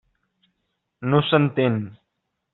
No s'entén.